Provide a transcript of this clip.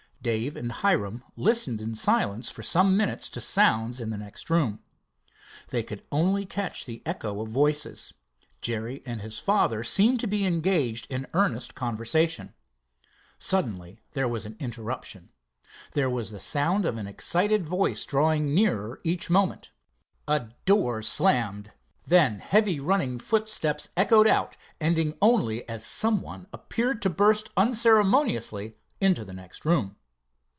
Dave and Hiram listened in silence for some minutes to sounds in the next room. They could only catch the echo of voices. Jerry and his father seemed to be engaged in conversation. Suddenly there was an interruption. There was the sound of an excited voice, drawing nearer each moment. A door slammed. Then heavy running footsteps echoed out, ending only as some one appeared to burst unceremoniously into the next room.